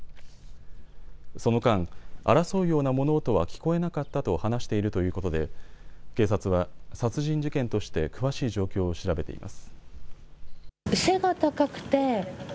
その間、争うような物音は聞こえなかったと話しているということで警察は殺人事件として詳しい状況を調べています。